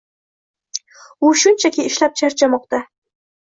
“U shunchaki ishlab charchamoqda!”